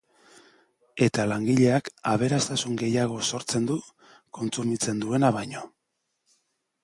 Eta langileak aberastasun gehiago sortzen du kontsumitzen duena baino.